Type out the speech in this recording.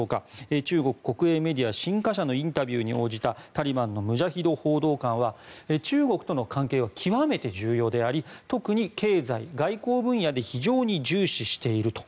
中国国営メディア新華社のインタビューに応じたタリバンのムジャヒド報道官は中国との関係は極めて重要であり特に経済、外交分野で非常に重視していると。